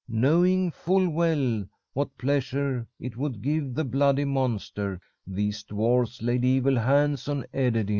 Knowing full well what pleasure it would give the bloody monster, these dwarfs laid evil hands on Ederyn.